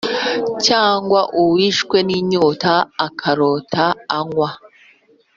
cyangwa uwishwe n’inyota, akarota anywa,